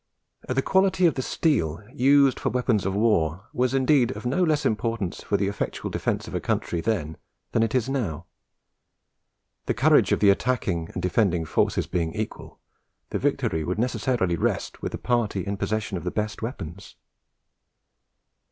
The quality of the steel used for weapons of war was indeed of no less importance for the effectual defence of a country then than it is now. The courage of the attacking and defending forces being equal, the victory would necessarily rest with the party in possession of the best weapons.